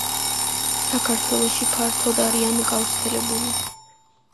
საქართველოში ფართოდ არიან გავრცელებული.